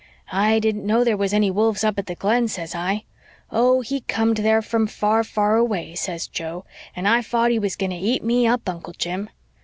'I didn't know there was any wolves up at the Glen,' says I. 'Oh, he comed there from far, far away,' says Joe, 'and I fought he was going to eat me up, Uncle Jim.'